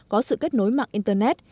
có sự kết nối mạng internet